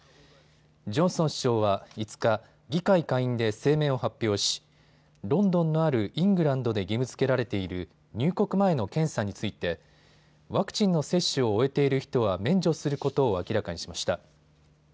ジョンソン首相は５日、議会下院で声明を発表しロンドンのあるイングランドで義務づけられている入国前の検査についてワクチンの接種を終えている人は免除することを明らかにしました。